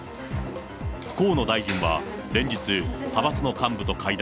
河野大臣は連日、派閥の幹部と会談。